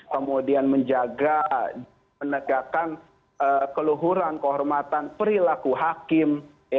kemudian menjaga menegakkan keluhuran kehormatan perilaku hakim